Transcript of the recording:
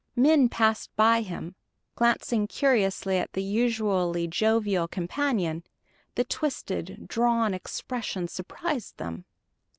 Men passed by him, glancing curiously at the usually jovial companion; the twisted, drawn expression surprised them.